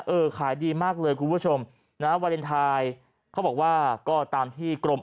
เออขายดีมากเลยคุณผู้ชมนะวาเลนไทยเขาบอกว่าก็ตามที่กรม